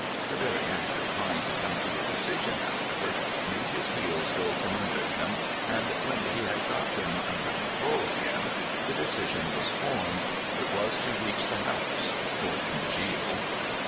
The very act of trying to come to a decision, however, made his heels go from under him, and when he had got them under control again the decision was formed. It was to reach the house—or congeal.